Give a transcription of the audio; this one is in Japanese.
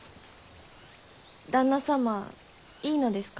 旦那様いいのですか？